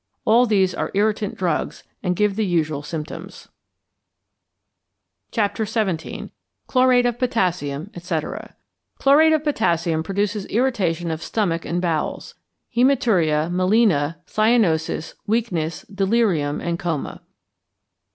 = All these are irritant drugs, and give the usual symptoms. XVII. CHLORATE OF POTASSIUM, ETC. =Chlorate of Potassium= produces irritation of stomach and bowels; hæmaturia; melæna; cyanosis, weakness, delirium, and coma.